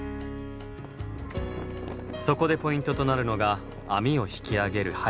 そこでポイントとなるのが網を引き上げる速さ。